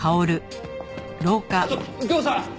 ちょっと右京さん！